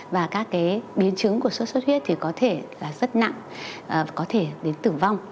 và các biến chứng của sốt sốt huyết có thể rất nặng có thể đến tử vong